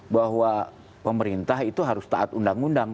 bahwa pemerintah itu harus taat undang undang